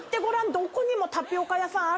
どこにもタピオカ屋さんあるんだから。